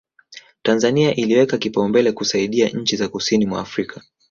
Tanzania iliweka kipaumbele kusaidia nchi za kusini mwa Afrika